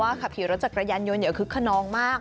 ขับขี่รถจักรยานยนต์อย่าคึกขนองมาก